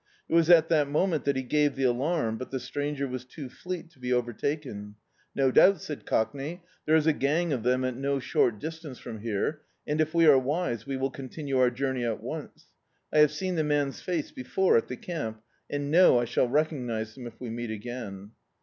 It was at that moment that he gave the alarm, but the stranger was too fleet to be overtaken. "No doubt," said Cockney, "there is a gang of them at no short distance frcm here and if we are wise, we will continue our journey at once. I have seen the man's face before, at the camp, and know I shall recognise him if we meet again."